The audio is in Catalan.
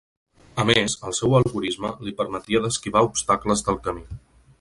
A més, el seu algorisme li permet d’esquivar obstacles del camí.